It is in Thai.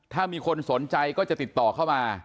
ถ้ามีคนสนใจก็จะติดต่อเข้ามา